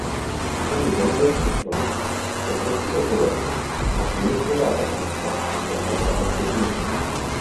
Ceny zemědělských produktů klesly o polovinu a průmyslová produkce poklesla o třetinu.